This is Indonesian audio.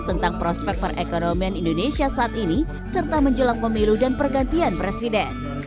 tentang prospek perekonomian indonesia saat ini serta menjelang pemilu dan pergantian presiden